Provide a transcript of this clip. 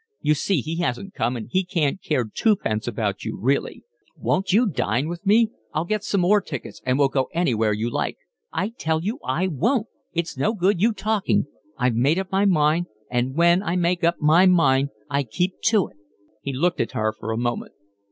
You see, he hasn't come, and he can't care twopence about you really. Won't you dine with me? I'll get some more tickets, and we'll go anywhere you like." "I tell you I won't. It's no good you talking. I've made up my mind, and when I make up my mind I keep to it." He looked at her for a moment.